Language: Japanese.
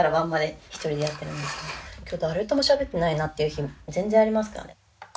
今日誰ともしゃべってないなっていう日も全然ありますからね。